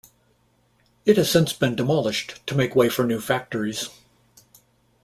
It has since been demolished to make way for new factories.